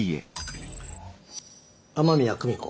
雨宮久美子